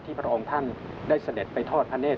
พระองค์ท่านได้เสด็จไปทอดพระเนธ